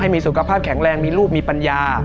มีสุขภาพแข็งแรงมีลูกมีปัญญา